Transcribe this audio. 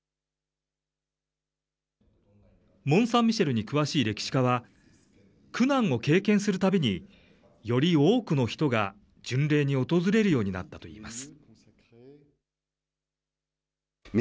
モンサンミシェルに詳しい歴史家は、苦難を経験するたびに、より多くの人が巡礼に訪れるようになったといいます。